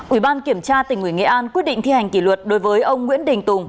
ủy ban kiểm tra tỉnh ủy nghệ an quyết định thi hành kỷ luật đối với ông nguyễn đình tùng